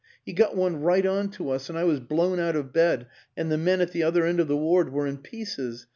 He got one right on to us, and I was blown out of bed, and the men at the other end of the ward were in pieces.